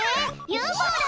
ＵＦＯだ。